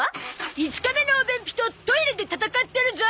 ５日目のお便秘とトイレで闘ってるゾ。